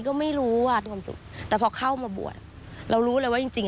ก็ไม่รู้ว่ามีความสุขแต่พอเข้ามาบวชเรารู้เลยว่าจริงจริง